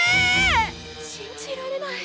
信じられない。